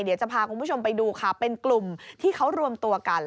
เดี๋ยวจะพาคุณผู้ชมไปดูค่ะเป็นกลุ่มที่เขารวมตัวกัน